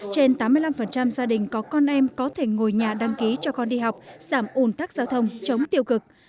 trên tám mươi năm gia đình có con em có thể ngồi nhà đăng ký cho con đi học giảm ủn tắc giao thông chống tiêu cực